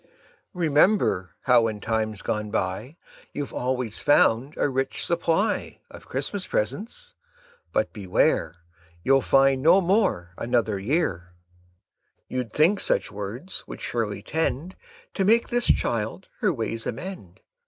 Remember, how in times gone by, You've always found a rich supply Of Christmas presents; but beware, You'll find no more another year." You'd think such words would surely tend To make this child her ways amend.